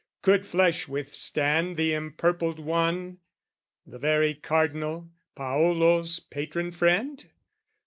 could flesh withstand the impurpled one, The very Cardinal, Paolo's patron friend?